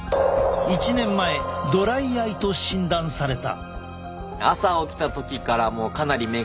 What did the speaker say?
１年前ドライアイと診断された。